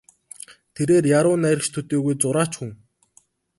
Тэрээр яруу найрагч төдийгүй зураач хүн.